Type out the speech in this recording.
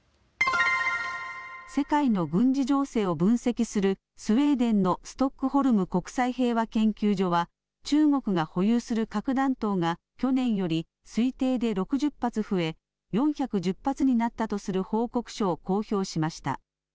世界の軍事情勢を分析するスウェーデンのストックホルム国際平和研究所は中国が保有する核弾頭が去年より推定で６０発増え４１０発になったとする報告書を公表しました。